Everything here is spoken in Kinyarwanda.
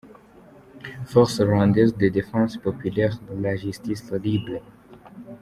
Forces Rwandaise de Defense Populaire La Justice libre.